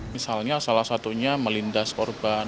misalnya salah satunya melindas korban